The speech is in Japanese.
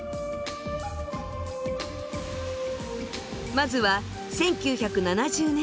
まずは１９７０年代。